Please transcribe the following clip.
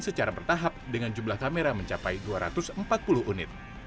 secara bertahap dengan jumlah kamera mencapai dua ratus empat puluh unit